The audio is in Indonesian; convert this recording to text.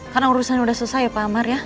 karena urusan sudah selesai pak amar ya